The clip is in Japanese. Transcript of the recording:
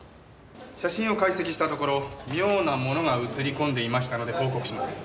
写真を解析したところ妙なものが写り込んでいましたので報告します。